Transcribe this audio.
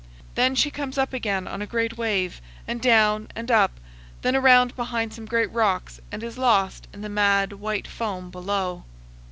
Then she comes up again on a great wave, and down and up, then around behind some great rocks, and is lost in the mad, white foam below.